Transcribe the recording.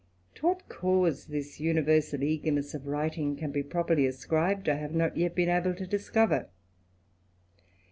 To what cause this universal eagerness of writing can be properly ascribed, I have not yet been able to discover.